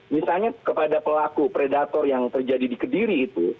misalnya kepada pelaku predator yang terjadi di kediri itu